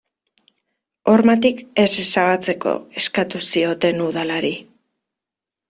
Hormatik ez ezabatzeko eskatu zioten udalari.